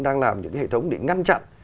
đang làm những hệ thống để ngăn chặn